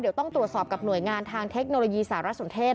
เดี๋ยวต้องตรวจสอบกับหน่วยงานทางเทคโนโลยีสารสนเทศ